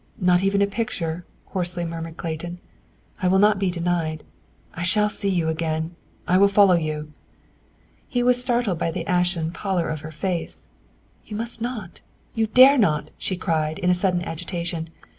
Not even a picture," hoarsely murmured Clayton. "I will not be denied. I shall see you again. I will follow you!" He was startled by the ashen pallor of her face. "You must not! You dare not!" she cried, in a sudden agitation.